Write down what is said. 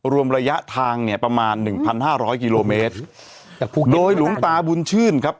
รวมระยะทางเนี่ยประมาณหนึ่งพันห้าร้อยกิโลเมตรโดยหลวงตาบุญชื่นครับ